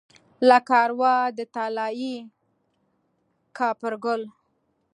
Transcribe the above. لکه اروا د طلايي کاپرګل